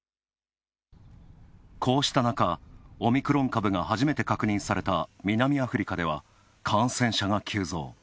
こうした中、オミクロン株が初めて確認された南アフリカでは感染者が急増。